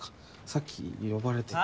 さっき呼ばれて。